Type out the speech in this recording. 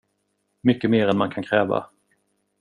Mycket mer än man kan kräva.